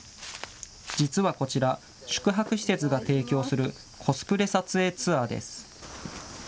実はこちら、宿泊施設が提供するコスプレ撮影ツアーです。